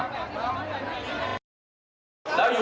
แล้วอยู่บ้างไหน